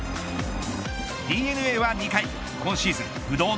ＤｅＮＡは２回今シーズン